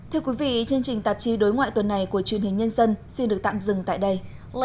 thưa quý vị chương trình tạp chí đối ngoại tuần này của truyền hình nhân dân xin được tạm dừng tại đây